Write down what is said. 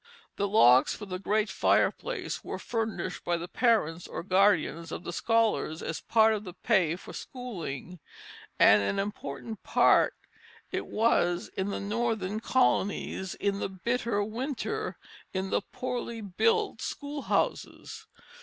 The logs for the great fireplace were furnished by the parents or guardians of the scholars as a part of the pay for schooling; and an important part it was in the northern colonies, in the bitter winter, in the poorly built schoolhouses.